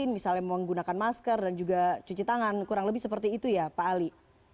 misalnya menggunakan masker dan juga cuci tangan kurang lebih seperti itu ya pak ali